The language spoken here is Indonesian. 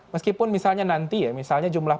meskipun misalnya nanti ya misalnya jumlah